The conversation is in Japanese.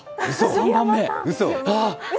３番目。